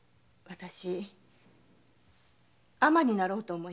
尼になろうと思います。